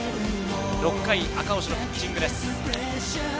６回、赤星のピッチングです。